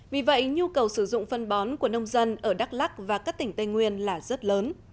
vì vậy nhu cầu sử dụng phân bón của nông dân ở đắk lắc và các tỉnh tây nguyên là rất lớn